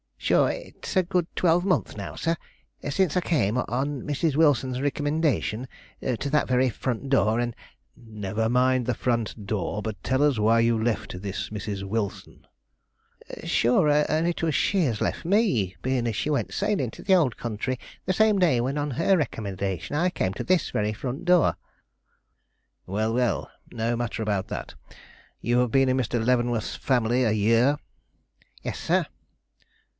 "Shure, it is a good twelvemonth now, sir, since I came, on Mrs. Wilson's ricommindation, to that very front door, and " "Never mind the front door, but tell us why you left this Mrs. Wilson?" "Shure, and it was she as left me, being as she went sailing to the ould country the same day when on her recommendation I came to this very front door " "Well, well; no matter about that. You have been in Mr. Leavenworth's family a year?" "Yes, sir."